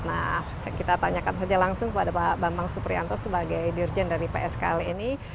nah kita tanyakan saja langsung kepada pak bambang suprianto sebagai dirjen dari pskl ini